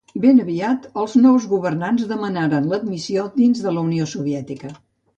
Ben aviat, els nous governs demanaren l'admissió dins de la Unió Soviètica.